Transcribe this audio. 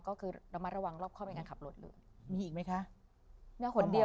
ก็คือเรามาระวังรอบข้อเมื่อการขับรถเลย